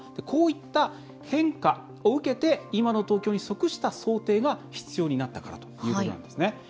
こういった変化を受けて今の東京に即した想定が必要になったからということなんですね。